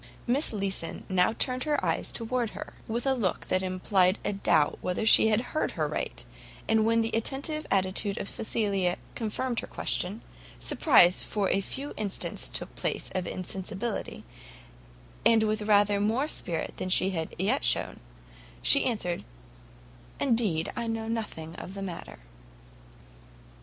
Miss Leeson now turned her eyes towards her, with a look that implied a doubt whether she had heard right; and when the attentive attitude of Cecilia confirmed her question, surprise for a few instants took place of insensibility, and with rather more spirit than she had yet shown, she answered, "Indeed, I know nothing of the matter."